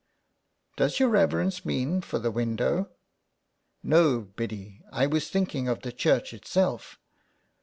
'Does your reverence mean for the window ?"No, Biddy, I was thinking of the church itself."